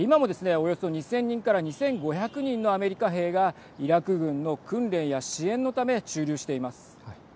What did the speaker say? およそ２０００人から２５００人のアメリカ兵がイラク軍の訓練や支援のため駐留しています。